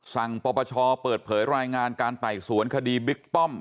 ปปชเปิดเผยรายงานการไต่สวนคดีบิ๊กป้อม